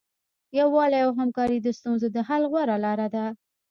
یووالی او همکاري د ستونزو د حل غوره لاره ده.